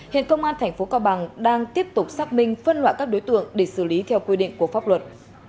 hiện công an tp cao bằng đang tiếp tục xác minh phân loại các đối tượng để xử lý theo quy định của pháp luật